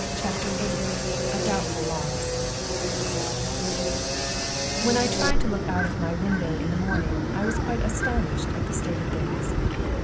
CHAPTER VIII A DOUBTFUL LOSS When I tried to look out of my window in the morning, I was quite astonished at the state of things.